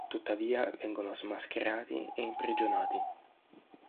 Tuttavia vengono smascherati e imprigionati.